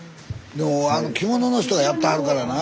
でも着物の人がやってはるからな。